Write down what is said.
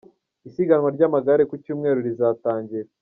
Isiganwa ry’amagare ku Cyumweru rizatangira